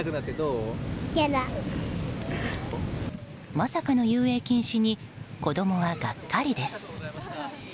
まさかの遊泳禁止に子供はがっかりです。